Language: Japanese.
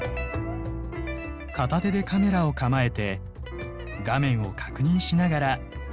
片手でカメラを構えて画面を確認しながら。